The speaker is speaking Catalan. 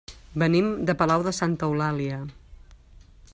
Venim de Palau de Santa Eulàlia.